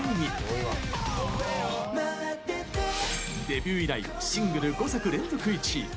デビュー以来シングル５作連続１位。